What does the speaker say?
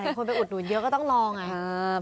คนไปอุดหนุนเยอะก็ต้องลองไง